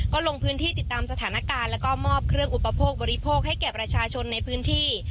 ก็ลงพื้นที่ติดตามสถานการณ์แล้วก็มอบเครื่องอุปโภคบริโภคให้แก่ประชาชนในพื้นที่